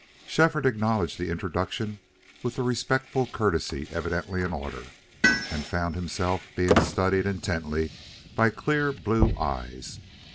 Shefford acknowledged the introduction with the respectful courtesy evidently in order, and found himself being studied intently by clear blue eyes.